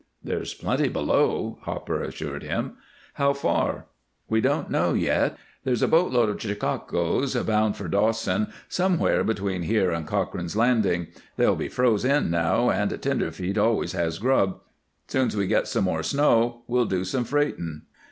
"There's plenty below," Hopper assured him. "How far?" "We don't know yet. There's a boat load of 'chekakos' bound for Dawson somewhere between here and Cochrane's Landing. They'll be froze in now, and tenderfeet always has grub. Soon's we get some more snow we'll do some freightin'."